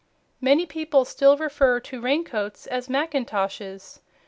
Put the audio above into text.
Many people still refer to raincoats as mackintoshes.